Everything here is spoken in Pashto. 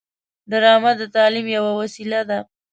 ډرامه د تعلیم یوه وسیله ده